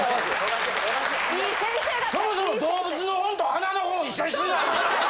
そもそも動物の本と花の本を一緒にすんな！